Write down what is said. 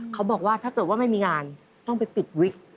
เขาบอกว่าถ้าเกิดว่าไม่มีงานต้องไปปิดวิก